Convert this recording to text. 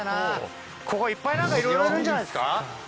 ここいっぱい何かいろいろいるんじゃないですか？